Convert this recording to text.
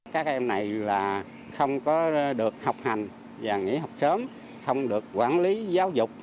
các em này là không có được học hành và nghỉ học sớm không được quản lý giáo dục